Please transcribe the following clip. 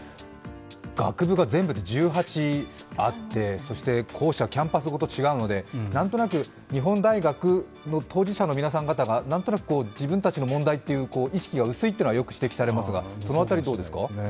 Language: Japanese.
学部が全部で１８あってそして、校舎、キャンパスごと違うので何となく日本大学の当事者の皆さん方が自分たちの問題という意識が薄いというのはよく指摘されますがその辺りはどうですか？